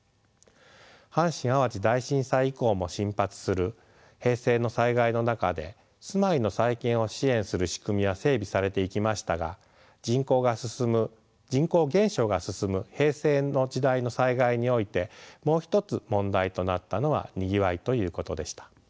阪神・淡路大震災以降も頻発する平成の災害の中で住まいの再建を支援する仕組みは整備されていきましたが人口減少が進む平成の時代の災害においてもう一つ問題となったのはにぎわいということでした。